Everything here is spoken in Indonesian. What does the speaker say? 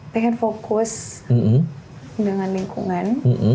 pengen fokus dengan lingkungan